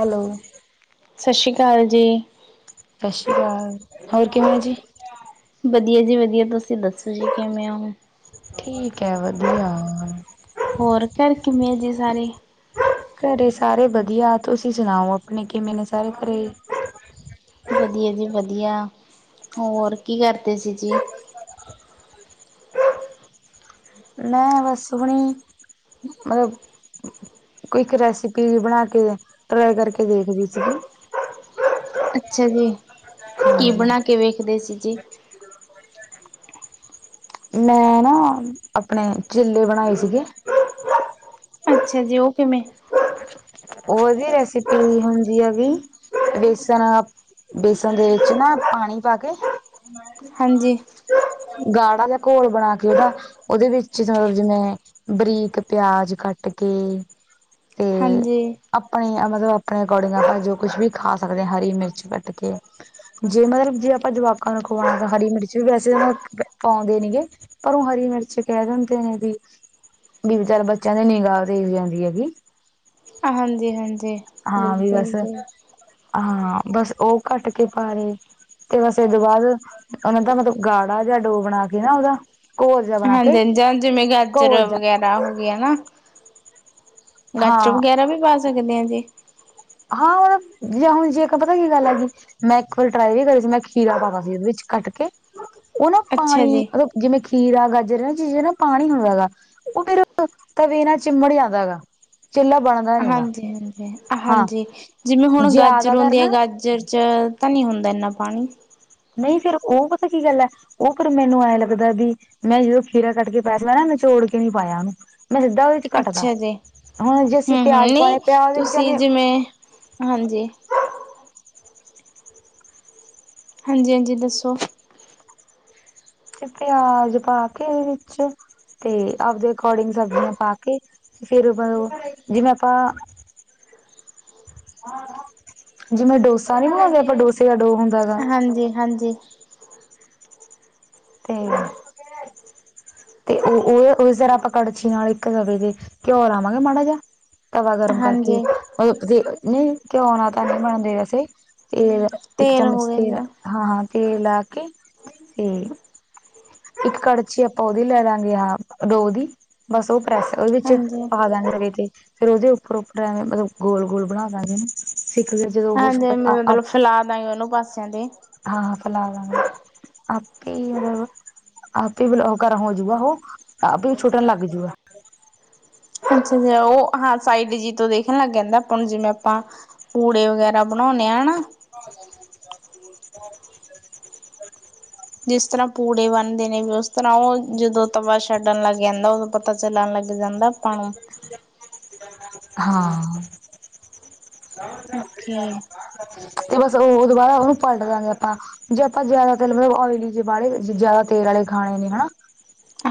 Hello ਸੀ ਕਾਲ ਜੀ। ਸਸੀ਼ ਕਾਲ, ਹੋਰ ਕਿਵੇਂ ਓ ਜੀ? ਬਦੀਆ ਜੀ ਵਦੀਆ, ਤੁਸੀਂ ਦੱਸੋ ਜੀ ਕਿਵੇਂ ਓਂ? ਠੀਕ ਐ, ਵਦੀਆ। ਹੋਰ, ਘਰ ਕਿਮੇ ਆ ਜੀ ਸਾਰੇ? ਘਰੇ ਸਾਰੇ ਬਦੀਆ, ਤੁਸੀਂ ਸੁਨਾਓ ਆਪਨੇ ਕਿਵੇਂ ਨੇ ਸਾਰੇ ਘਰੇ? ਵਦੀਆ ਜੀ, ਵਦੀਆ ਹੋਰ ਕੀ ਕਰਦੇ ਸੀ ਜੀ? ਮੈਂ ਬਸ ਹੂਣੀ ਮਲਬ ਕੋਈ ਇੱਕ ਰੈਸੀਪੀ ਜੀ ਬਣਾ ਕੇ, ਟ੍ਰਾਈ ਕਰਕੇ ਦੇਖਦੀ ਸੀਗੀ। ਅੱਛਾ ਜੀ, ਕੀ ਸੀਗੀ ਬਣਾ ਕੇ ਵੇਖਦੇ ਸੀ ਜੀ? ਮੈਂ ਨਾ, ਆਪਣੇ ਚਿਲੇ ਬਣਾਏ ਸੀਗੇ। ਅੱਛਾ ਜੀ, ਓ ਕਿਮੇ? ਓ ਦੀ, ਰੈਸੀਪੀ ਹੁੰਦੀ ਹੈਗੀ ਬੇਸਨ ਆ ਬੇਸਣ ਦੇ ਵਿੱਚ ਨਾ, ਪਾਣੀ ਪਾ ਕੇ ਹਾਂਜੀ। ਗਾੜਾ ਜਾ ਘੋਲ਼ ਬਣਾ ਕੇ ਓਦਾ ਓਦੇ ਵਿੱਚ ਥੋੜੇ ਜੀਮੇਂ, ਬਰੀਕ ਪੇਆਜ ਕੱਟ ਕੇ ਤੇ ਹਾਂਜੀ ਆਪਣੇ ਅ ਮਤਲਬ ਆਪਣੇ ਅਕੋਡਿੰਗ ਆਪਾਂ ਜੋ ਕੁਸ਼ ਵੀ ਖਾ ਸਕਦੇ ਆਂ ਹਰੀ ਮਿਰਚ ਕੱਟ ਕੇ ਜੇ ਮਲਬ ਜੇ ਆਪਾਂ ਜਵਾਕਾਂ ਨੂੰ ਖਵਾਓਣਾ ਗਾ ਹਰੀ ਮਿਰਚ ਵੀ ਵੈਸੇ ਵ, ਤਾਂ ਪਾਂਦੇ ਨੀ ਗੇ ਪਰ ਓ ਹਰੀ ਮਿਰਚ ਕੈ ਦੰਦੇ ਨੇ ਬੀ, ਬੀ ਵਿ ਚੱਲ ਬੱਚੇਆਂ ਦੇ ਨੀਗਾ ਦੇ ਲਈ ਹੂੰਦੀ ਹੈਗੀ। ਹਾਂਜੀ, ਹਾਂਜੀ ਹਾਂ ਵੀ ਬਿਲਕੁਲ ਬਸ ਜੀ। ਹਾਂ ਬਸ ਓ ਕੱਟ ਕੇ ਪਾ ਦੇ ਤੇ ਬਸ ਓਦੇ ਬਾਦ, ਅ ਮ ਮਤਲਬ ਗਾੜਾ ਜਾ ਡੋ ਬਣਾ ਕੇ ਨਾ ਓਦਾ। ਹਾਂਜੀ, ਹਾਂਜੀ [unintelligible] ਘੋਲ ਜਾ ਹੋ ਗੇਆ ਨਾ, ਹਾਂ ਗਾਜਰ ਵਗੈਰਾ ਵੀ ਪਾ ਸਕਦੇ ਆਂ ਜੀ। [unintelligible] ਮੈਂ ਖੂਦ ਟ੍ਰਾਈ ਵੀ ਕਰੀ ਸੀ, ਮੈਂ ਖੀਰਾ ਪਾਤਾ ਸੀ ਓਦੇ ਵਿੱਚ ਕੱਟ ਕੇ, ਓ ਨਾ ਅੱਛਾ ਪਾਣੀ ਜੀ। ਮਲਬ ਜਿਮੇਂ ਖੀਰਾ ਗਾਜਰ ਐ, ਚੀਜ਼ ਨਾ ਪਾਣੀ ਹੁੰਦਾ ਯਾ ਓ ਫੇਰ ਤਵੇ ਨਾ ਚਿੰਬੜ ਜਾਂਦਾ ਗਾ, ਚਿੱਲਾ ਬਣ ਹਾਂਜੀ, ਹਾਂਜੀ, ਹਾਂਜੀ ਜਿਮੇਂ ਹੁਣ ਗਾਜਰ ਜ਼ਿਆਦਾਤਰ ਹੁੰਦੀ ਆ ਨਾ ਗਾਜਰ ਚ ਤਾਂ ਨਈ ਹੁੰਦਾ ਐਂਨਾ ਪਾਣੀ? ਨਈ ਫੇਰ ਓ ਪਤਾ ਕੀ ਗੱਲ ਐ ਓ ਕੇੜਾ ਮੈਨੂੰ ਐਂ ਲੱਗਦਾ ਬੀ, ਮੈਂ ਜਦੋਂ ਖੀਰਾ ਕੱਟ ਕੇ ਪਾਦਮਾ ਨਾ ਮੈਂ ਨੀਚੋੜ ਕੇ ਨੀ ਪਾਏਆ ਓਨੂੰ। ਮੈਂ ਸਿੱਦਾ ਓਦੇ ਚ ਕੱਟ ਤਾ, ਅੱਛਾ ਜੀ ਹਾਂ ਜੇ ਅਸੀਂ ਹੂੰ-ਹੂੰ ਪੇਆਜ ਪਾਨ ਨਹੀਂ ਪੇਆਜ ਦੇ ਤੁਸੀਂ ਬਚਾਨੇ ਆ ਜਿਵੇਂ ਹਾਂਜੀ। ਹਾਂਜੀ, ਹਾਂਜੀ ਦੱਸੋ। ਪੇਆਜ ਪਾ ਕੇ ਓਦੇ ਚ, ਤੇ ਆਪਦੇ ਅਕੋਡਿੰਗ ਸਬਜ਼ੀਆਂ ਪਾ ਕੇ ਫੇਰ ਬੇ ਓ [unintelligible] ਜਿਵੇਂ ਆਪਾਂ [unintelligible] ਜਿਵੇਂ ਡੋਸਾ ਨੀਂ ਬਣਾਉਂਦੇ ਆਪਾਂ, ਡੋਸੇ ਦਾ ਡੋ ਹੁੰਦਾ ਹੇਗਾ। ਹਾਂਜੀ ਹਾਂਜੀ। ਤੇ ਤੇ ਓ, ਓ ਓਸ ਜ਼ਰਾ ਆਪਾਂ ਕੜਛੀ ਨਾਲ਼ ਇੱਕ ਤਵੇ ਦੇ, ਘੇਓ ਲਾਵਾਂਗੇ ਮਾੜਾ ਜਾ ਤਵਾ ਗਰਮ ਕਰਕੇ ਹਾਂਜੀ ਓ, ਅ, ਜੇ ਨਈ ਘੇਓ, ਨਾ ਤਾਂ ਨੀ ਬਣਦੇ ਵੈਸੇ ਤੇ ਇੱਕ ਤੇਲ ਹੋ ਚਮਚ ਗਿਆ ਤੇਲ ਜ ਹਾਂ, ਹਾਂ ਘੇਓ ਲਾ ਕੇ ਤੇ ਇੱਕ ਕਾੜਛੀ ਆਪਾਂ ਓਦੀ ਲੈ ਲਾਂਗੇ ਹਾਂ, ਡੋ ਦੀ ਬਸ ਓ ਕ੍ਰਾਸ ਓਦੇ ਚ, ਹਾਂਜੀ, ਪਾ ਦੇਣਾ ਤਵੇ ਤੇ ਫੇਰ ਓਦੇ ਉਪਰੋ, ਉਪਰੋ ਐਵੇਂ ਮਲਬ ਗੋਲੋ਼ ਗੋਲ਼ ਬਣਾ ਦਾਂਗੇ ਨਾ। ਸਿੱਖਦੇ ਜਦੋਂ ਹਾਂਜੀ [unintelligible] ਹਾਂ, ਮਤਲਬ ਫੈਲਾ ਦਾਂਗੇ ਉਹਨੂੰ ਪਾਸਿਆਂ ਤੇ ਹਾਂ ਫਲਾ ਆਪੇ ਆਪ ਹੀ ਬਲੋ ਘਰ ਹੋਜੂਗਾ ਉਹ ਆਪ ਹੀ ਛੂੱਟਣ ਲੱਗ ਜਉਗਾ। ਅੱਛਾ ਅੱਛਾ, ਉਹ ਹਾਂ ਸਾਈਡ ਜੀ ਤੋਂ ਦੇਖਣ ਲੱਗ ਜਾਂਦਾ, ਆਪਾਂ ਜਿਵੇਂ ਆਪਾਂ ਪੂੜੇ ਵਗੈਰਾ ਬਣਾਉਂਣੇ ਆਂ ਨਾਂ। [unintelligible] ਜਿਸ ਤਰ੍ਹਾਂ ਪੂੜੇ ਬਣਦੇ ਨੇਂ ਵੀ ਉਸ ਤਰ੍ਹਾਂ ਉਹ ਜਦੋਂ ਤਵਾ ਛੱਡਣ ਲੱਗ ਜਾਂਦਾ ਉਹਦ ਪਰ ਪੱਤਾ ਚੱਲਣ ਲੱਗ ਜਾਂਦਾ। ਆਪਾਂ ਨੂੰ [unintelligible] ਹਾਂ। [unintelligible] ਓਕੇ ਤੇ ਬਸ ਉਹ ਦੁਬਾਰਾ ਉਹਨੂੰ ਪਲਟ ਦਾਂਗੇ ਆਪਾਂ ਜੇ ਆਪਾਂ ਜਿਆਦਾ ਤੇਲ ਮਤਲਬ ਓਇਲੀ ਜੇ ਬਾਲੇ ਜ਼ਿਆਦਾ ਤੇਲ ਵਾਲੇ ਖਾਣੇ ਨੀਂ ਹਨਾਂ।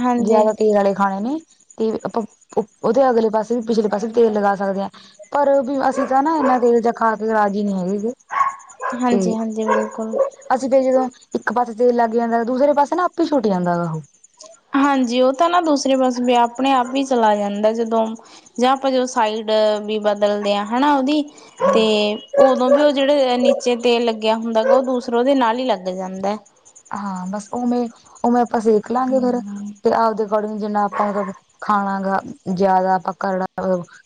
ਹਾਂਜੀ, ਜਿਆਦਾ ਤੇਲ ਵਾਲੇ ਖਾਣੇ ਨੇਂ ਤੇ ਵੀ ਆਪਾਂ ਉਹਦੇ ਅਗਲੇ ਪਾਸੇ ਵੀ, ਪਿਛਲੇ ਪਾਸੇ ਵੀ ਤੇਲ ਲਗਾ ਸਕਦੇ ਆਂ, ਪਰ ਅਸੀਂ [unintelligible] ਤਾਂ ਨਾਂ ਇਹਨਾਂ ਤੇਲ ਜਾਂ ਖਾ ਕੇ ਰਾਜੀ ਨ੍ਹੀਂ ਹੈਗੇ ਜੇ [unintelligible] ਹਾਂਜੀ ਹਾਂਜੀ ਬਿਲਕੁਲ। ਅਸੀਂ ਫਿਰ ਜਦੋਂ ਇੱਕ ਪਾਸੇ ਤੇਲ ਲੱਗ ਜਾਂਦਾ, ਦੂਸਰੇ ਪਾਸੇ ਨਾਂ ਆਪੀ ਛੁੱਟੀ ਜਾਂਦਾ ਉਹੋ। ਹਾਂਜੀ ਉਹ ਤਾਂ ਨਾ ਦੂਸਰੇ ਪਾਸੇ ਵੀ ਆਪਣੇ ਆਪ ਵੀਂ ਚਲਾ ਜਾਂਦਾ ਜਦੋਂ ਜਾਂ ਆਪਾਂ ਜੋ ਸਾਈਡ ਵੀ ਬਦਲਦੇ ਹਾਂ ਹਨਾਂ ਉਹਦੀ ਤੇ ਉਦੋਂ ਵੀ ਉਹ ਜਿਹੜੇ ਨੀਚੇ ਤੇਲ ਲੱਗਿਆ ਹੁੰਦਾਗਾ ਉਹ ਦੂਸਰਾ ਉਹਦੇ ਨਾਲ ਹੀ ਲੱਗ ਲੱਗ ਜਾਂਦਾ। ਹਾਂ ਬਸ ਉਵੇਂ ਉਵੇਂ ਆਪਾਂ ਸੇਖ ਲਾਂਗੇ ਫੇਰ ਤੇ ਆਪਦੇ ਅਕੋਰਡਿੰਗ ਜਿੰਨਾ ਆਪਾਂ ਖਾਣਾ ਗਾ ਜਿਆਦਾ ਆਪਾਂ ਕਰੜਾ,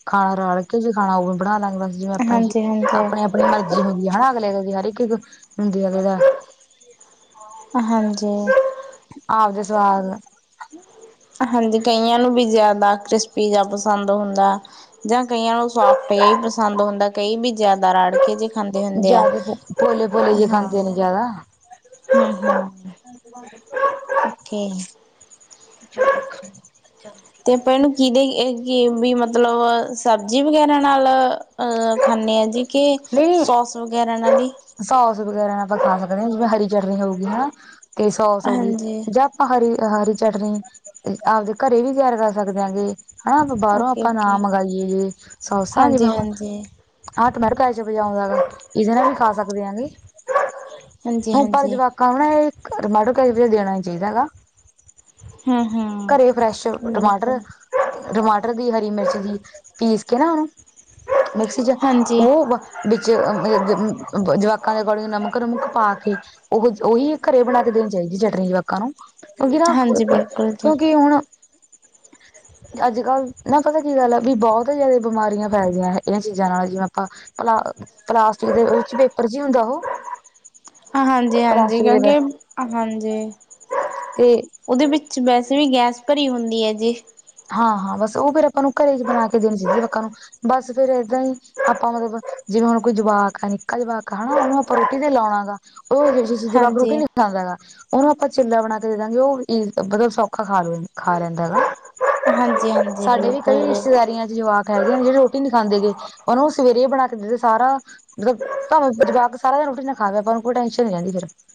ਖਾਣਾ ਰਲ ਕੇ ਜੇ ਖਾਣਾ ਉਹ ਵੀ ਬਣਾਲਾਂਗੇ। ਜਿਵੇਂ ਆਪਣੇ ਚ ਹਾਂਜੀ ਹਾਂਜੀ। ਆਪਣੀ ਆਪਣੀ ਮਰਜ਼ੀ ਹੁੰਦੀ ਆ। ਅਗਲੇ ਅਗਲੇ ਦੀ ਹਰ ਇੱਕ ਹੁੰਦੀ ਅਗਲੇ ਦਾ ਹਾਂਜੀ। ਆਜ ਸਾਗ ਹਾਂਜੀ ਕਈਆਂ ਨੂੰ ਵੀ ਜ਼ਿਆਦਾ ਕ੍ਰਿਸਪੀ ਜਿਆ ਪਸੰਦ ਹੁੰਦਾ। ਜਾਂ ਕਈਆਂ ਨੂੰ ਸੋਫਟ ਜੇਆ ਈ ਪਸੰਦ ਹੁੰਦਾ, ਕਈ ਵੀ ਜ਼ਿਆਦਾ ਰਾੜ ਜੇ ਖਾਂਦੇ ਹੁੰਦੇ ਆ। ਜ਼ਿਆਦਾ ਭੋਲੇ ਭੋਲੇ ਜੇ ਖਾਂਦੇ ਹਾਂ। ਨੇ ਜ਼ਿਆਦਾ ਹਂ ਹਂ ਓਕੇ। [unintelligible] ਤੇ ਭੈਣ ਕਿਹਦੇ ਏ ਕੀ ਵੀ ਮਤਲਬ ਸਬਜ਼ੀ ਵਗੈਰਾ ਨਾਲ ਅ ਖਾਂਦੇ ਹਾਂ ਜੀ ਕਿ, ਸੋਸ ਵਗੈਰਾ ਨਾਲ ਈ ਸੋਸ ਵਗੈਰਾ ਆਪਾਂ ਖਾ ਸਕਦੇ ਆਂ। [unintelligible] ਜਿਵੇਂ ਹਰੀ ਚਟਨੀ ਹੋ ਗੀ, ਹਨਾਂ ਤੇ ਸੋਸ ਹੋਗੀ ਹਾਂਜੀ ਜਾਂ ਹਰੀ, ਹਰੀ ਚਟਨੀ ਆਪਦੇ ਘਰੇ ਵੀ ਤਿਆਰ ਕਰ ਸਕਦੇ ਹੇਂਗੇ। ਹਨਾ ਬਾਹਰੋਂ ਓਕੇ ਆਪਾਂ ਨਾਂ ਓਕੇ ਮੰਗਾਈਏ ਜੇ ਸੋਸਾ ਜਿਵੇਂ ਹਾਂਜੀ ਹੁਣ ਹਾਂਜੀ ਆਹ ਟਮੈਰੋ ਕੈਚਪ ਜਿਆ ਹੈਗਾ, ਇਹਦੇ ਨਾਲ ਵੀ ਖਾ ਸਕਦੇ ਹੇਂਗੈ। ਹਾਂਜੀ ਹ ਪਰ ਹਾਂਜੀ ਜਵਾਕਾਂ ਨੂੰ ਨਾਂ ਇਹ ਟਮਾਟੋ ਕੈਚੱਪ ਦੇਣਾ ਨੀਂ ਚਾਹੀਦਾ ਹੈਗਾ। ਹਮ [unintelligible] ਹਮ ਘਰੇ ਫ੍ਰੈਸ਼ ਟਮਾਟਰ ਬਿਲਕੁਲ [unintelligible] ਟਮਾਟਰ ਦੀ ਹਰੀ ਮਿਰਚ ਜੀ ਪੀਸ ਕੇ ਨਾ ਓਨੂੰ, ਮਿਕਸੀ ਚ ਹਾਂਜੀ ਓਹ ਬ ਬਿਚੇ ਅਂ ਮਲ ਜ, ਜਵਾਕਾਂ ਦੇ ਅਕੋਡਿੰਗ ਨਮਕ-ਨੁਮਕ ਪਾ ਕੇ ਓਹ ਓਹੀ ਘਰੇ ਬਣਾ ਕੇ ਦੇਣੀ ਚਾਹੀਦੀ ਚਟਨੀ਼ ਜਵਾਕਾਂ ਨੂੰ। ਕੂਜ ਨਾ, ਹਾਂਜੀ ਬਿਲਕੁਲ ਜੀ ਕੇਓੂਕਿ ਹੋਣ [unintelligible] [inaudible] ਅੱਜ-ਕੱਲ, ਨਾਂ ਪਤਾ ਕੀ ਗੱਲ ਆ ਬੀ ਬੋਤ ਜੈਦੇ ਬਮਾਰੀਆਂ ਫੈਲਦੀਆਂ ਨੇ ਏ ਚੀਜਾਂ ਨਾਲ ਜਿਵੇਂ ਆਪਾਂ ਪਲਾ, [unintelligible] ਪਲਾਸਟਿਕ ਦੇ ਓਚ ਪੇਪਰ ਜੀ ਹੁੰਦਾ ਓਹ। ਹਾਂ, ਹਾਂਜੀ ਹਾਂਜੀ [unintelligible] ਦੇ ਹਾਂਜੀ। ਤੇ ਓਦੇ ਬਿੱਚ ਵੈਸੇ ਈ ਗੈਸ ਭਰੀ ਹੁੰਦੀ ਐ ਜੀ। ਹਾਂ, ਹਾਂ ਬਸ ਓ ਫੇਰ ਆਪਾਂ ਨੂੰ ਘਰੇ ਚ ਬਣਾ ਕੇ ਦੇਣੀ ਚਈਦੀ ਲੋਕਾਂ ਨੂੰ। ਬਸ ਫੇਰ ਏਦਾਂ ਈ, ਆਪਾਂ ਮਤਲਬ ਜਿਵੇਂ ਹੁਣ ਕੋਈ ਜਵਾਕ ਆ ਨਿੱਕਾ ਜਵਾਕ ਆ ਹਣਾਂ ਓਨੂੰ ਆਪਾਂ ਰੋਟੀ ਤੇ ਲੌਣਾ ਗਾ ਉਹ [unintelligible] ਹਾਂਜੀ ਰੁਕੀ ਨੀਂ। [unintelligible] ਓਣੂੰ ਆਪਾਂ ਚਿੱਲਾ ਬਣਾ ਕੇ ਦੇ ਦਾਂਗੇ ਓ ਵੀ ਮਤਲਬ ਸੌਖਾ ਖਾਲੂ ਖਾ ਲੈਂਦਾ ਗਾ। ਹਾਂਜੀ ਹਾਂਜੀ ਸਾਡੇ ਵੀ ਕਈ ਬਿਲਕੁਲ ਜੀ ਰਿਸ਼ਤੇਦਾਰੀਆਂ ਚ ਜਵਾਕ ਫੈਦੀਦੀ ਜਿਹੜੀ ਰੋਟੀ ਨੀ ਖਾਂਦੇ ਗ ਉਹਨੂੰ ਸਵੇਰੇ ਬਣਾ ਕੇਦੇ ਸਾਰਾ [unintelligible] [unintelligible]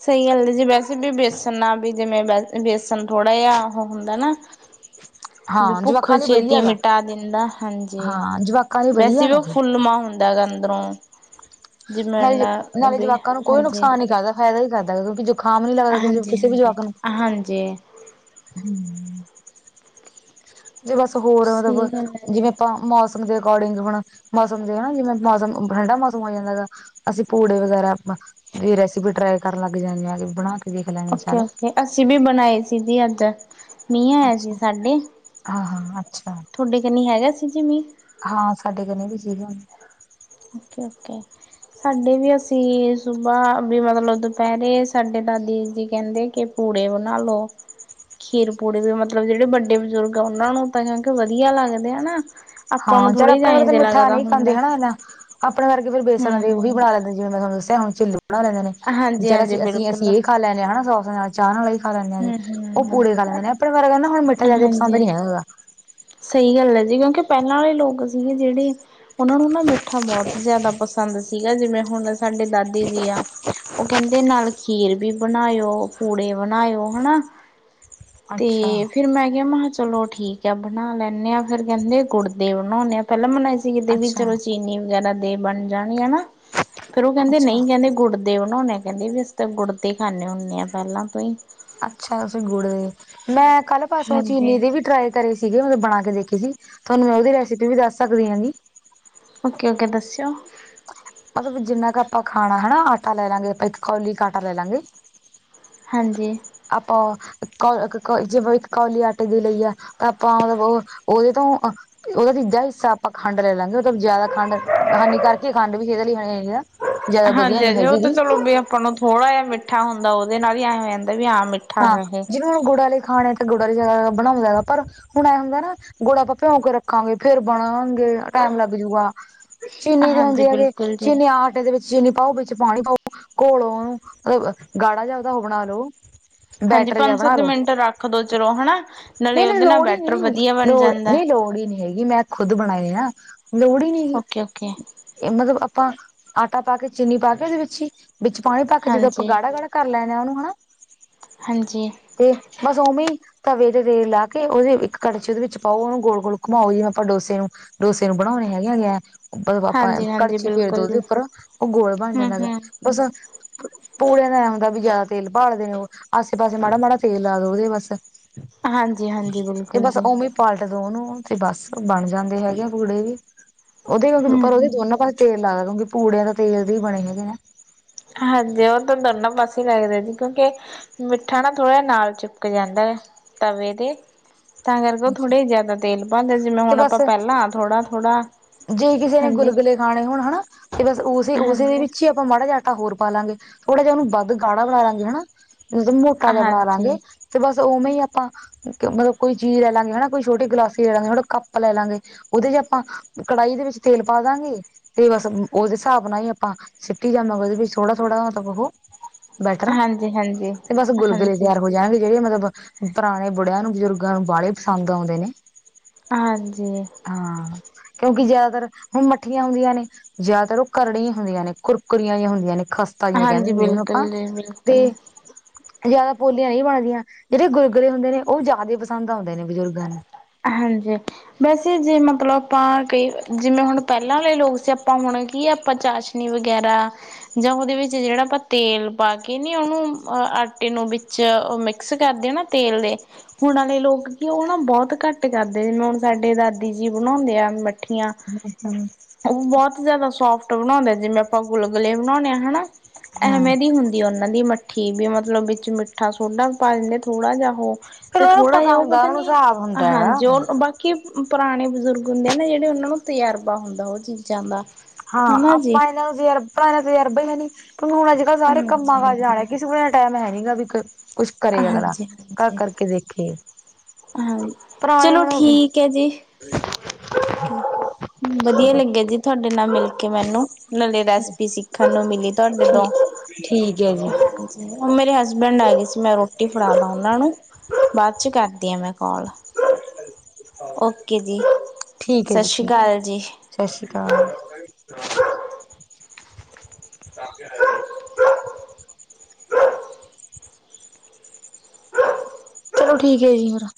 ਸਹੀ ਗੱਲ ਹੈ ਜੀ ਵੈਸੇ ਵੀ ਬੇਸਣ ਨਾਲ ਵੀ ਜਿਵੇਂ ਬੇਸਣ ਥੋੜ੍ਹਾ ਜਿਹਾ ਉਹ ਹੁੰਦਾ ਨਾ [inaudible] ਵੀ ਹਾਂ ਭੁੱਖ ਜਵਾਕਾਂ ਲਈ ਛੇਤੀ ਵਧੀਆ ਗਾ ਮਿਟਾ ਦਿੰਦਾ ਹਾਂਜੀ ਹਾਂ ਜਵਾਕਾਂ ਲਈ ਵੈਸੇ ਵਧੀਆ ਵੀ ਗਾ ਉਹ ਇਹ ਫੁੱਲਮਾ ਹੁੰਦਾ ੰਦਾ ਕੇ ਅੰਦਰੋਂ [unintelligible] ਜਿਵੇਂ ਨਾਲੇ ਨਾ ਨਾਲੇ ਵੀ ਜਵਾਕਾਂ ਨੂੰ ਕੋਈ ਹਾਂਜੀ। ਨੁਕਸਾਨ ਨੀ ਕਰਦਾ ਫਾਇਦਾ ਹੀ ਕਰਦਾ ਹੈ। ਕਉਕਿ ਜ ਜਖਾਮ ਨੀ ਲੱਗਦਾ ਕਿਸੇ ਵੀ ਹਾਂਜੀ-ਹਾਂਜੀ, ਹਾਂਜੀ ਜਵਾਕ ਨੂੰ। ਹਾਂਜੀ ਹੂੰ ਜੀ ਬਸ ਹੋਰ ਮਤਲਬ ਸਹੀ ਗੱਲ ਹੈ ਜੀ। ਜਿਵੇਂ ਆਪਾਂ ਮੋਸਮ ਦੇ ਅਕੋਡਿੰਗ ਹੁਣ ਮੋਸਮ ਦੇ ਹਨਾ ਜਿਵੇਂ ਮੌਸਮ ਠੰਡਾ ਮੌਸਮ ਹੋ ਜਾਂਦਾ ਹੈਗਾ ਅਸੀ ਪੂੜੇ ਵਗੈਰਾ ਬ ਦੀ, ਰੈਸੀਪੀ ਟ੍ਰਾਈ ਕਰਨ ਲੱਗ ਜਾਂਨੇ ਆਗੇ ਬਣਾ ਕੇ [unintelligible] ਓਕੇ ਸਾਰੇ। ਓਕੇ ਅਸੀਂ ਭੀ ਬਣਾਏ ਸੀ ਜੀ ਅੱਜ। ਮੀਂਹ ਆਇਆ ਸੀ ਅੱਛਾ ਸਾਡੇ ਹਾਂ ਹਾਂ ਅੱਛਾ। ਤੁਹਾਡੇ ਕਨੀ ਹੈਗਾ ਸੀ ਜੀ ਮੀਂ? ਹਾਂ ਸਾਡੇ ਕਨੇ ਵੀ [unintelligible] ਓਕੇ ਓਕੇ। ਸਾਡੇ ਵੀ ਅਸੀ ਸੁਬਾਹ ਵੀ ਮਤਲਬ ਦੁਪਿਹਰੇ ਸਾਡੇ ਦਾਦੀ ਜੀ ਕਹਿੰਦੇ ਕਿ ਪੂੜੇ ਬਨਾ ਲੋ ਖੀਰ ਪੂੜੇ ਦੇ ਮਤਲਬ ਜਿਹੜੇ ਬੱਡੇ ਬੂਜ਼ੁਰਗ ਆ ਓਹਨਾਂ ਨੂੰ ਤਾਂ ਜਣੀਕੇ ਵਧੀਆ ਲੱਗਦੇ ਆ ਨਾ। ਆਪਾਂ ਨੂੰ ਹਾਂ, ਚੱਲ ਥੋੜ੍ਹੀ ਜਾ ਆਪਣੇ ਵਰਗਗ ਤਾਂ ਇੰਝ ਮਿੱਠਾ ਲੱਗਦਾ ਨਈ ਖਾਂਦੇ ਹੁੰਦਾ ਹਣਾ ਐਨਾਂ [unintelligible] ਆਪਣੇ ਵਰਗੇ ਫੇਰ ਬੇਸਣ ਦੇ ਓ ਵੀ ਹੂੰ। ਬਣਾ ਲੈਂਦੇ ਜਿਵੇ ਮੈਂ ਤੁਹਾਨੂੰ ਦਸਿਆ ਹੋਣ ਚਿੱਲੇ ਬਣਾ ਲੈਂਦੇ ਨੇ। ਵੀ ਚੱਲ ਹਾਂਜੀ-ਹਾਂਜੀ ਅਸੀਂ, ਅਸੀਂ, ਬਿਲਕੁਲ ਅਸੀਂ ਏ ਖਾ ਲੈਨੇ ਆ ਹਣਾ ਸੋਸ ਨਾਲ਼। [unintelligible] ਚਾਹ ਨਾਲ਼ ਵੀ ਖਾ ਲੈਂਨੇ ਆ ਅਸੀ ਉਹ ਹੂੰ-ਹੂੰ ਪੂੜੇ ਖਾ ਲੈਂਦੇ ਨੇ ਆਪਣੇ ਵਰਗਿਆ ਨੂੰ ਹੁਣ ਮਿੱਠਾ ਜ਼ਿਆਦਾ ਪਸੰਦ ਹਾਂਜੀ। ਨਹੀ ਹੈਗਾ ਸਹੀ ਗੱਲ ਐ ਜੀਵੇਂ ਕੇ ਪਹਿਲਾਂ ਵਾਲੇ ਲੋਕ ਸੀਗੇ ਜਿਹੜੇ ਓਹਨਾਂ ਨੂੰ ਨਾ ਮਿੱਠਾ ਬਹੁਤ ਜ਼ਿਆਦਾ ਪਸੰਦ ਸੀਗਾ ਜਿਵੇਂ ਹੁਣ ਅ ਸਾਡੇ ਦਾਦੀ ਜੀ ਆ ਉਹ ਕਹਿੰਦੇ ਨਾਲ਼ ਖੀਰ ਬੀ ਬਣਾਏਓ, ਪੂੜੇ ਬਣਾਇਓ ਹਣਾਂ, ਅੱਛਾ ਤੇ ਫੇਰ ਮੈਂ ਕੇਆ ਮ੍ਹਾ ਕੇਆ ਚਲੋ ਠੀ [unintelligible] ਠੀਕ ਐ ਬਣਾ ਲੈਂਨੇ ਆਂ ਫੇਰ ਕਹਿੰਦੇ [unintelligible] ਕੁੜਦੇ ਬਣੌਨੇ ਆਂ ਪੈਲਾਂ ਮੈਨੂ ਐ ਕਿਤੇ ਵੀ ਅੱਛਾ ਚਲੋ ਚੀਨੀ ਵਗੈਰਾ ਦੇ ਬਣ ਜਾਣੀ ਐ ਨਾ ਫੇਰ ਉਹ ਕਹਿੰਦੇ ਅੱਛਾ ਨਹੀ ਕਹਿੰਦੇ ਗੁੜ ਦੇ ਬਨਾਓਨੇ ਕੈਂਦੇ ਵੀ ਅਸੀ ਤਾਂ, ਗੁੜਦੇ ਖਾਂਨੇ ਹੁੰਨੇ ਆ ਪੈਲਾਂ ਤੋਂ ਈ। [unintelligible] ਅੱਛਾ ਤੂਸੀਂ ਗੁੜ ਮੈਂ ਕੱਲ ਪਾਰਸੋਂ ਚੀਨੀ ਹਾਂਜੀ ਦੇ ਵੀ ਟ੍ਰਾਏ ਘਰੇ ਸੀਗੇ ਮੈਂ ਬਣਾ ਕੇ ਦੇਖੇ ਸੀ ਤੁਹਾਨੂੰ ਮੈਂ ਓਦੀ ਰੈਸਿਪੀ ਵੀ ਦੱਸ ਸਕਦੀ ਆਂ ਗੀ। ਓਕੇ ਓਕੇ ਦੱਸੇਓ। ਮਤਲਵ ਵੀ ਜਿੰਨਾ ਕ ਆਪਾਂ ਖਾਣਾ ਹਣਾ ਆਟਾ ਲੈ ਲਾਂਗੇ ਆਪਾਂ ਇੱਕ ਕੌਲੀ ਕ ਆਟਾ ਲੈ ਲਾਂਗੇ ਹਾਂਜੀ। ਆਪਾ ਕ ਜੀਵੇ ਇਕ ਕੌਲੀ ਆਟੇ ਦੇ ਲਈ ਐ ਤਾਂ ਆਪਾਂ ਮਤਲਬ ਓ ਓਦੇ ਤੋਂ ਅ ਤੇ ਉਹਦਾ ਤੀਜਾ ਹਿੱਸਾ ਆਪਾਂ ਖੰਡ ਲੈ ਲਾਂਗੇ ਉਹ ਤਾਂ ਜ਼ਿਆਦਾ ਖੰਡ ਹਾਨੀ ਕਰਕੇ ਖੰਡ ਵੀ [unintelligible] ਵਧੀਆ ਨੀ ਹਾਂਜੀ-ਹਾਂਜੀ, ਉਹ ਹੈਗੀ ਤਾਂ ਗੀ ਚਲੋ ਵੀ ਆਪਾਂ ਨੂੰ ਥੋੜਾ ਜਿਹਾ ਮਿੱਠਾ ਹੁੰਦਾ ਉਹਦੇ ਨਾਲ ਹੀ ਐਂ ਹੋ ਜਾਂਦਾ ਵੀ ਹਾਂ ਮਿੱਠਾ ਹਾਂ, ਗਾ ਇਹ ਜਿਵੇਂ ਹੁਣ ਗੁੜ ਆਲੇ ਖਾਣੇ ਤਾਂ ਗੁੜ ਆਲੇ ਜ਼ਿਆਦਾ ਬਣਾਉਂਦਾ ਗਾ ਪਰ ਹੁਣ ਇਹ ਹੁੰਦਾ ਨਾ ਗੁੜ ਆਪਾਂ ਭਿਉਂ ਕੇ ਰੱਖਾਂਗੇ ਫੇਰ ਬਣਾਵਾਂਗੇ ਟਾਈਮ ਲੱਗ ਜਾਊਗਾ ਚੀਨੀ ਦੇ ਹਾਂਜੀ ਹੁੰਦੇ ਹੈਗੇ ਬਿਲਕੁਲ ਜੀ ਚੀਨੀ ਆਠ [unintelligible] ਆਟੇ ਦੇ ਵਿੱਚ ਚੀਨੀ ਪਾਓ ਵਿੱਚ ਪਾਣੀ ਪਾਓ ਘੋਲੋ ਓਹਨੂੰ ਗਾੜਾ ਜਾਪਦਾ ਉਹ ਬਣਾ ਲਓ ਹਾਂਜੀ ਬੈਟਰ ਜਿਹਾ ਪੰਜ ਬਣਾ ਸੱਤ ਲੋ ਮਿੰਟ ਰੱਖ ਦੋ ਚਲੋ ਹਨਾ ਨਹੀਂ ਨਾਲੇ ਨਹੀਂ ਉਹਦੇ ਨਾਲ ਲੋੜ ਹੀ ਬੈਟਰ ਨਹੀਂ ਵਧੀਆ ਬਣ ਲੋੜ ਜਾਂਦਾ ਨਹੀਂ ਲੋੜ ਹੀ ਨਹੀ ਹੈਗੀ ਮੈਂ ਖੁਦ ਬਣਾਏ ਹੈ ਨਾ ਲੋੜ ਹੀ ਨਹੀਂ ਹੈਗੀ ਓਕੇ ਓਕੇ ਇਹ ਮਤਲਬ ਆਪਾਂ ਆਟਾ ਪਾ ਕੇ ਚੀਨੀ ਪਾ ਕੇ ਉਹਦੇ ਵਿੱਚ ਹੀ ਵਿੱਚ ਪਾਣੀ ਪਾ ਕੇ ਜਦੋਂ ਆਪਾਂ ਹਾਂਜੀ ਗਾੜਾ ਗਾੜਾ ਕਰ ਲੈਣੇ ਆ ਉਹਨੂ [unintelligible] ਹਾਂਜੀ ਤੇ ਬਸੋਮੀ [unintelligible] ਤਵੇ ਤੇ ਤੇਲ ਲਾ ਕੇ ਓਦੀ ਇੱਕ ਕੜਛੀ ਓਦੇ ਵਿੱਚ ਪਾਓ, ਓਨੂੰ ਗੋਲ਼-ਗੋਲ਼ ਘੁਮਾਓ ਜਿਵੇਂ ਆਪਾਂ ਡੋਸੇ ਨੂੰ ਡੋਸੇ ਨੂੰ ਬਣਾਓਣੇ ਹੈਗੇ ਆ ਵੀ ਐ ਆਪਾਂ, ਹਾਂਜੀ, ਹਾਂਜੀ ਕੜਛੀ ਫੇਰਦੇ ਬਿਲਕੁਲ ਓਦੇ ਜੀ, ਉੱਪਰ ਓ ਗੋਲ਼ ਬਣ ਹੂੰ, ਜਾਂਦਾ ਗਾ। ਹੂੰ। ਬਸ ਪੂੜਿਆਂ ਦਾ ਐਂ ਹੂੰਦਾ, ਵੀ ਜ਼ਿਆਦਾ ਤੇਲ ਭਾਲ਼ਦੇ ਨੇ ਉਹ। ਆਸੇ-ਪਾਸੇ ਮਾੜਾ ਮਾੜਾ ਤੇਲ ਲਾ ਦੋ ਓਦੇ ਬਸ, ਹਾਂਜੀ, ਹਾਂਜੀ ਤੇ ਬਿਲਕੁਲ ਬਸ ਜੀ। ਓਮੇ ਪਲਟ ਦੋ ਓਨੂੰ ਤੇ ਬਸ ਬਣ ਜਾਂਦੇ ਹੈਗੇ ਆ ਪੂੜੇ ਵੀ ਉਹਦੇ ਹੂੰ, ਪਰ ਉਹਦੇ ਹੂੰ ਦੋਨਾਂ ਪਾਸੇ ਤੇਲ ਲਾ ਦੇਣਾ ਕਿਉਂਕਿ ਪੂੜਿਆਂ ਦਾ ਤੇਲ ਦੇ ਹੀ ਬਣੇ ਹੈਗੇ ਨਾ। ਹਾਂਜੀ, ਉਹ ਤਾਂ ਦੋਨਾਂ ਪਾਸੇ ਈ ਲੱਗਦਾ ਜੀ ਕਿਉਂਕਿ ਮਿੱਠਾ ਨਾ ਥੋੜ੍ਹਾ ਜਿਹਾ ਨਾਲ ਚੁਪਕ ਜਾਂਦਾ ਤਵੇ ਤੇ। ਤਾਂ ਕਰਕੇ ਅੱਛਾ। ਥੋੜ੍ਹੇ ਜ਼ਿਆਦਾ ਤੇਲ ਪਾ ਲਿਆ ਜਿਵੇਂ ਤੇ ਹੁਣ ਬਸ ਆਪਾਂ ਪਹਿਲਾਂ ਥੋੜ੍ਹਾ ਥੋੜ੍ਹਾ ਜੇ ਕਿਸੇ ਨੇ ਹਾਂਜੀ, ਗੁਲਗੁਲੇ ਖਾਣੇ ਹੋਣ ਹਨਾ ਤੇ ਬਸ ਉਸੇ ਉਸੇ ਹਾਂਜੀ, ਦੇ ਹਾਂਜੀ। ਵਿੱਚ ਹੀ ਆਪਾਂ ਮਾੜਾ ਜਾ ਆਟਾ ਹੋਰ ਪਾਲਾਂਗੇ ਥੋੜਾ ਜਾ ਉਹਨੂੰ ਵੱਧਾ ਗਾੜਾ ਬਣਾ ਲਾਗੇ [unintelligible] ਤਾਜ਼ਾ ਬਣਾ ਲਾਂਗੇ ਹਾਂਜੀ, ਤੇ ਬਸ ਉਵੇਂ ਹੀ ਆਪਾਂ ਮਤਲਬ ਕੋਈ ਜੀ ਲੈ ਲਾਂਗੇ ਹਨਾ ਕੋਈ ਛੋਟੀ ਗਲਾਸੀ ਲਾਂਗੇ ਛੋਟਾ ਕੱਪ ਲੈ ਲਾਂਗੇ। ਉਹਦੇ ਚ ਆਪਾਂ ਕੜਾਹੀ ਦੇ ਵਿੱਚ ਤੇਲ ਪਾ ਦਾਂਗੇ। ਤੇ ਬਸ ਉਹਦੇ ਹਿਸਾਬ ਨਾਲ ਹੀ ਆਪਾਂ ਸਿੱਟੀ ਜਾਵਾਂਗੇ ਓਹਦੇ ਵਿੱਚ ਥੋੜਾ ਥੋੜਾ ਮਤਲਬ ਉਹ ਬੈਟਰ ਹਾਂਜੀ, ਤੇ ਬਸ ਗੁਲਗੁਲੇ ਹਾਂਜੀ, ਤਿਆਰ ਹੋ ਜਾਣਗੇ ਜਿਹੜੇ ਮਤਲਬ ਪੁਰਾਣੇ ਬੁੜਿਆਂ ਨੂੰ ਬਜ਼ੁਰਗ ਗਰਮ ਵਾਲੇ ਪਸੰਦ ਆਉਂਦੇ ਨੇ। ਹਾਂਜੀ, ਹਾਂ, ਕਿਉਂਕਿ ਜਿਆਦਾਤਰ ਹੁਣ ਮੱਠੀਆਂ ਹੁੰਦੀਆਂ ਨੇ। ਜ਼ਿਆਦਾਤਰ ਉਹ ਕਰੜੀਆਂ ਹੁੰਦੀਆਂ ਨੇ ਕੁਰਕਰੀ ਜੀ ਹੁੰਦੀਆਂ ਨੇ ਖ ਤਾਈਆਂ ਕਹਿੰਦੇ ਹਾਂਜੀ ਹੁੰਦੇ ਜਿਨੂੰ ਆਪਾਂ ਬਿਲਕੁਲ ਜੀ ਤੇ ਬਿਲਕੁਲ। ਜਿਆਦਾ ਪੋਲੀਆਂ ਨਹੀਂ ਬਣਦੀਆਂ ਜਿਹੜੇ ਗੁੁਰਗਲੇ ਹੁੰਦੇ ਨੇ ਉਹ ਜ਼ਿਆਦੇ ਪਸੰਦ ਆਉਂਦੇ ਨੇ ਬਜ਼ੁਰਗਾਂ ਨੂੰ। ਹਾਂਜੀ, ਵੈਸੇ ਜੇ ਮਤਲਬ ਆਪਾਂ ਕਈ ਜਿਵੇਂ ਹੁਣ ਪਹਿਲਾਂ ਆਲੇ ਲੋਕ ਸੀ ਆਪਾਂ ਹੁਣ ਕੀ ਆਪਾਂ ਚਾਸ਼ ਨੀ ਵਗੈਰਾ। ਜਾਂ ਉਹਦੇ ਵਿੱਚ ਜਿਹੜਾ ਆਪਾਂ ਤੇਲ ਪਾ ਕੇ ਨੀ ਉਹਨੂੰ ਅਹ ਆਟੇ ਨੂੰ ਵਿੱਚ ਮਿਕਸ ਕਰਦੇ ਨਾ। ਤੇਲ ਦੇ ਹੁਣ ਆਲੇ ਲੋਕ ਉਹ ਨਾ ਬਹੁਤ ਘੱਟ ਕਰਦੇ ਜਿਵੇਂ ਹੁਣ ਸਾਡੇ ਦਾਦੀ ਜੀ ਬਣਾਉਂਦੇ ਆ ਮੱਠੀਆਂ। [unintelligible] ਉਹ ਬਹੁਤ ਜਿਆਦਾ ਸੋਫਟ ਬਣਾਉਂਦੇ ਜਿਵੇਂ ਆਪਾਂ ਗੁਲਗੁਲੇ ਬਣਾਉਂਣੇ ਆ ਹਨਾ ਹਾਂ ਐਵੇਂ ਦੀ ਹੁੰਦੀ। ਦੀ ਉਹਨਾਂ ਦੀ ਮੱਠੀ ਵੀ ਮਤਲਬ ਵਿੱਚ ਮਿੱਠਾ ਸੋਡਾ ਪਾ ਲਿੰਦੇ ਥੋੜਾ ਜਾ ਉਹ। ਫੇਰ ਤੇ ਉਹਨ ਨੂੰ ਥੋੜਾ ਪਤਾ ਜਿਹਾ ਉਹ ਹੁੰਦਾ ਉਹਨਾ ਨੂੰ ਨੀ ਹਿਸਾਬ ਹੁੰਦਾ ਹੈਗਾ। ਹਾਂਜੀ ਉਹ ਬਾਕੀ ਪੁਰਾਣੇ ਬਜ਼ੁਰਗ ਹੁੰਦੇ ਆ ਨਾ ਜਿਹੜੇ ਉਹਨਾਂ ਨੂੰ ਤਜਰਬਾ ਹੁੰਦਾ ਉਹ ਚੀਜ਼ਾਂ ਦਾ। ਹਾਂ, ਹਨਾ ਜੀ ਆਪਾਂ ਇਹਨਾਂ ਨੂੰ ਤਜਰਬ ਪੁਰਾਣਾ ਤਜਰਬਾਂ ਹੀ ਹੈਨੀ। ਹੁਣ ਅੱਜ ਕੱਲ੍ਹ ਸਾਰੇ ਕੰਮਾਂ ਹਾਂਜੀ ਕਾਰਜ ਆਲੇ ਹਾਂਜੀ ਕਿਸੇ ਕੋਲ ਏਨਾ ਟਾਈਮ ਹੈਨੀ ਵੀ ਕੁਛ ਕਰੇ ਅਗਲਾ ਹਾਂਜੀ ਕਰ ਹਾਂਜੀ ਕਰਕੇ ਦੇਖੇ। ਹਾਂਜੀ ਪੁਰਾਣੇ ਚਲੋ ਹੋ। ਠੀਕ ਹੈ ਜੀ ਵਧੀਆ ਲੱਗਿਆ ਜੀ। ਤੁਹਾਡੇ ਨਾਲ ਮਿਲ ਕੇ ਮੈਨੂੰ, ਨਾਲੇ ਰੈਸਪੀ ਸਿੱਖਣ ਨੂੰ ਮਿਲੀ ਤੁਹਾਡੇ ਤੋਂ ਠੀਕ ਠੀਕ ਐ ਜੀ। ਉਹ ਮੇਰੇ ਹਸਬੈਂਡ ਆ ਗਏ ਸੀ, ਮੈਂ ਰੋਟੀ ਫੜਾ ਦਾ ਉਹਨਾਂ ਨੂੰ। ਬਾਦ ਚ ਕਰਦੀ ਹਾਂ ਮੈਂ ਕੋਲ, ਓਕੇ ਜੀ। ਠੀਕ ਐ ਸਤਿ ਜੀ, ਸ਼੍ਰੀ ਠੀਕ, ਅਕਾਲ ਜੀ ਸਤਿ ਸ਼੍ਰੀ ਅਕਾਲ। [unintelligible] ਚਲੋ ਠੀਕ ਐ ਜੀ ਫੇਰ।